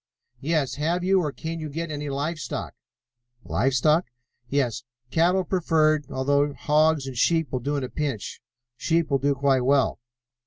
"Yes. Have you, or can you get, any live stock?" "Live stock?" "Yes. Cattle preferred, although hogs or sheep will do at a pinch. Sheep will do quite well."